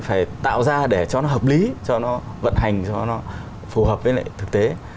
phải tạo ra để cho nó hợp lý cho nó vận hành cho nó phù hợp với lại thực tế